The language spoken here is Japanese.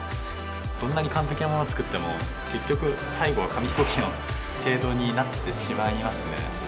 どんなに完璧なものを作っても結局最後は紙飛行機の性能になってしまいますね。